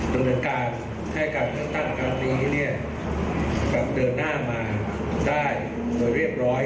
ดังเดินการให้การตั้งตั้งการนี้เนี้ยแบบเดินหน้ามาได้โดยเรียบร้อย